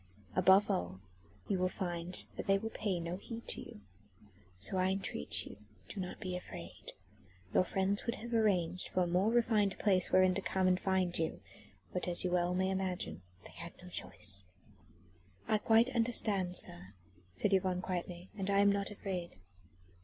Above all you will find that they will pay no heed to you. So I entreat you do not be afraid. Your friends would have arranged for a more refined place wherein to come and find you, but as you may well imagine they had no choice." "I quite understand, sir," said Yvonne quietly, "and I am not afraid."